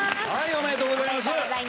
おめでとうございます。